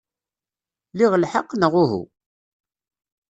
Liɣ lḥeqq, neɣ uhu?